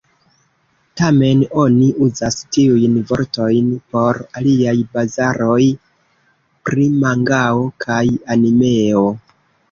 Tamen oni uzas tiujn vortojn por aliaj bazaroj pri mangao kaj animeo.